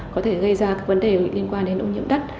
có thể gây ra các vấn đề liên quan đến ô nhiễm đất